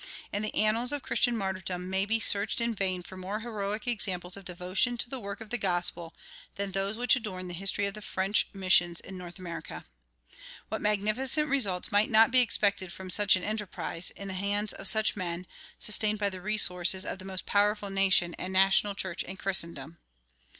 And the annals of Christian martyrdom may be searched in vain for more heroic examples of devotion to the work of the gospel than those which adorn the history of the French missions in North America. What magnificent results might not be expected from such an enterprise, in the hands of such men, sustained by the resources of the most powerful nation and national church in Christendom!